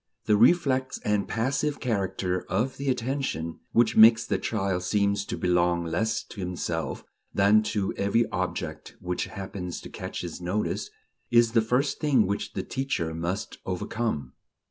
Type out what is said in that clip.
The reflex and passive character of the attention ... which makes the child seem to belong less to himself than to every object which happens to catch his notice, is the first thing which the teacher must overcome....